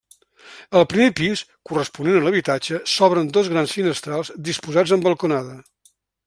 Al primer pis, corresponent a l'habitatge, s'obren dos grans finestrals disposats en balconada.